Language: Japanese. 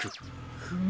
フム！